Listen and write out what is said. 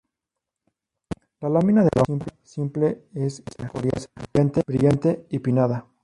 La lámina de la hoja simple es coriácea, brillante y pinnada.